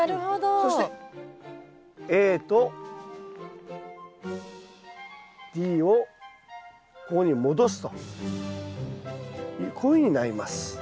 そしてＡとＤをここに戻すとこういうふうになります。